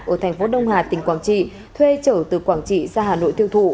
ở thành phố đông hà tỉnh quảng trị thuê trở từ quảng trị ra hà nội tiêu thụ